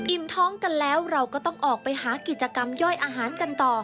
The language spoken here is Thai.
ท้องกันแล้วเราก็ต้องออกไปหากิจกรรมย่อยอาหารกันต่อ